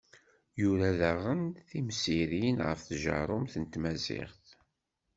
Yura daɣen timsirin ɣef tjerrumt n tmaziɣt.